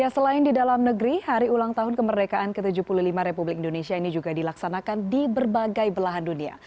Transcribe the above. selain di dalam negeri hari ulang tahun kemerdekaan ke tujuh puluh lima republik indonesia ini juga dilaksanakan di berbagai belahan dunia